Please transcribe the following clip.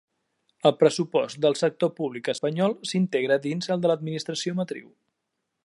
El Pressupost del sector públic espanyol s'integra dins el de l'administració matriu.